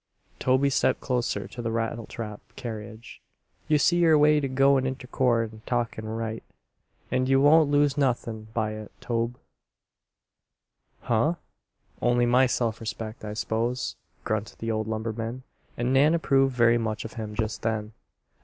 Toby stepped closer to the rattletrap carriage. "You see your way to goin' inter court an' talkin' right, and you won't lose nothin' by it, Tobe." "Huh? Only my self respect, I s'pose," grunted the old lumberman, and Nan approved very much of him just then.